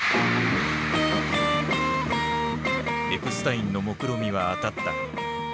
エプスタインのもくろみは当たった。